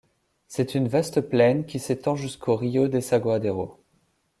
C'est une vaste plaine qui s'étend jusqu'au Río Desaguadero.